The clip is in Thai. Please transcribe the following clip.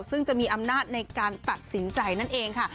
ซึ่งจะมีอำนาจในการตัดสินใจนั่นเองค่ะ